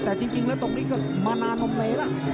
แต่จริงแล้วตรงนี้ก็มานานอมเลล่ะ